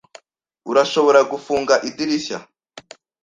Urashobora gufunga idirishya?